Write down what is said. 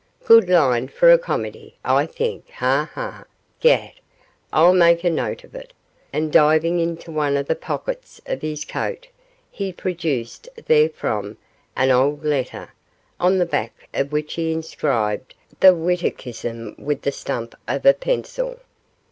'Good line for a comedy, I think. Ha! ha! gad, I'll make a note of it,' and diving into one of the pockets of his coat, he produced therefrom an old letter, on the back of which he inscribed the witticism with the stump of a pencil.